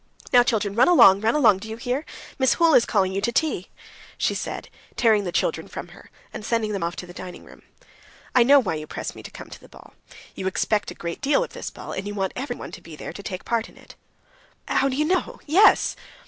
"Now, children, run along, run along. Do you hear? Miss Hoole is calling you to tea," she said, tearing the children from her, and sending them off to the dining room. "I know why you press me to come to the ball. You expect a great deal of this ball, and you want everyone to be there to take part in it." "How do you know? Yes."